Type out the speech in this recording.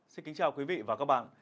xin kính chào quý vị và các bạn